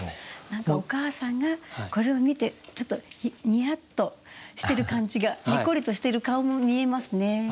何かお母さんがこれを見てちょっとニヤッとしてる感じがニコリとしてる顔も見えますね。